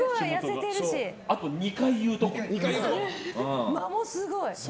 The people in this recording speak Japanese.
あと、２回言うところね。